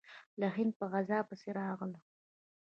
له هنده په غزا پسې راغلی.